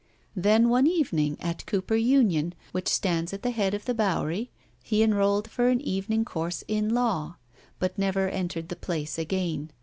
Then one evening at Cooper Union, which stands at the head of the Bowery, he enrolled for an evening course in law, but never entered the place again.